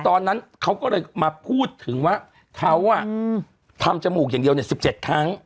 ตอนนั้นเขาก็เลยมาพูดถึงว่าเขาอ่ะอืมทำจมูกอย่างเดียวเนี้ยสิบเจ็ดครั้ง